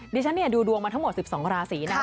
ดิฉันดูดวงมาทั้งหมด๑๒ราศีนะครับ